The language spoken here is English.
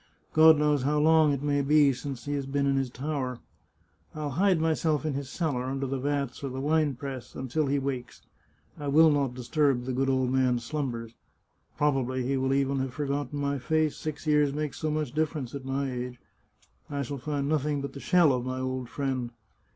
God knows how long it may be since he has been in his tower! I'll hide myself in his cellar, under the vats or the wine press, until he wakes ; I will not disturb the good old man's slumbers ! Probably he will even have forgotten my face — six years makes so much difference at my age. I shall find nothing but the shell of my old friend.